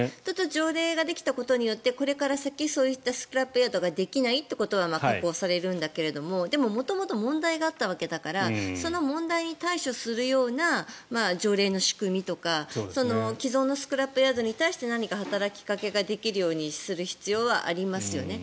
条例ができたことによってこれから先そういったスクラップヤードができないということは確保されるんだけれど元々、問題があったわけだからその問題に対処するような条例の仕組みとか既存のスクラップヤードに対して何か働きかけができるようにする必要はありますよね。